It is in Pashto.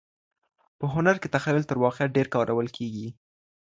په هنر کي تخیل تر واقعیت ډېر کارول کیږي.